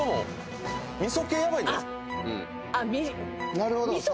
なるほど。